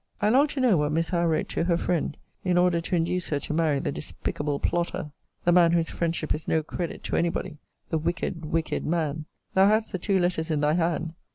I long to know what Miss Howe wrote to her friend, in order to induce her to marry the despicable plotter; the man whose friendship is no credit to any body; the wicked, wicked man. Thou hadst the two letters in thy hand.